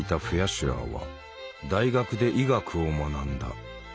シュアーは大学で医学を学んだ。